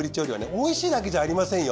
おいしいだけじゃありませんよ。